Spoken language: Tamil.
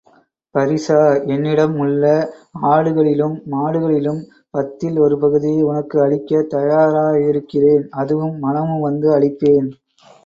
பரிசா என்னிடமுள்ள ஆடுகளிலும் மாடுகளிலும் பத்தில் ஒரு பகுதியை உனக்கு அளிக்கத் தயாராயிருக்கிறேன் அதுவும் மனமுவந்து அளிப்பேன்!